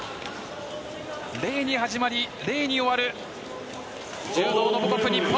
礼に始まり礼に終わる柔道の母国・日本。